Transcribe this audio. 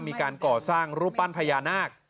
มีการก่อสร้างรูปปั้นพญานาค